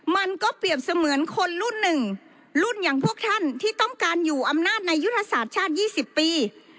มันก็เปรียบเสมือนคนรุ่นหนึ่งรุ่นอย่างพวกท่านที่ต้องการอยู่อำนาจในยุทธศาสตร์ชาติ๒๐ปี